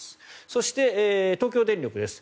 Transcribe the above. そして東京電力です。